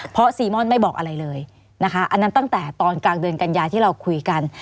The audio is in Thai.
เพราะซีม่อนไม่บอกอะไรเลยนะคะอันนั้นตั้งแต่ตอนกลางเดือนกันยาที่เราคุยกัน